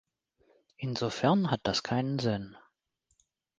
Insofern hat das keinen Sinn.